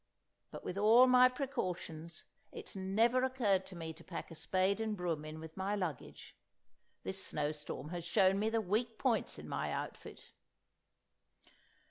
But with all my precautions, it never occurred to me to pack a spade and broom in with my luggage. This snowstorm has shown me the weak points in my outfit."